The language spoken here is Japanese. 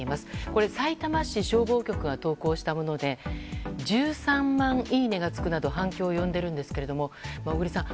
これは、さいたま市消防局が投稿したもので１３万いいねがつくなど反響を呼んでいますが小栗さん